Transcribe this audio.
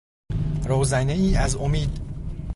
روزنهای از امید